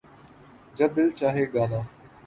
جب دل چاھے گانا